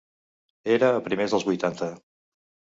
Era a primers dels vuitanta.